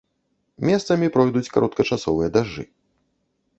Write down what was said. Месцамі пройдуць кароткачасовыя дажджы.